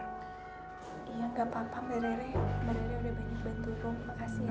iya gak apa apa mbak rere mbak rere udah banyak bantu rom makasih ya